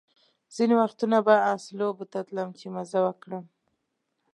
ځینې وختونه به آس لوبو ته تلم چې مزه وکړم.